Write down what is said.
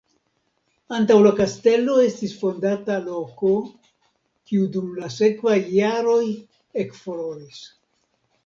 Antaŭ la kastelo estis fondata loko, kiu dum la sekvaj jaroj ekfloris.